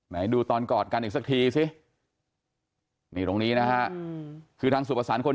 ไหนดูตอนกอดกันอีกสักทีสินี่ตรงนี้นะฮะคือทางสุภาษาคน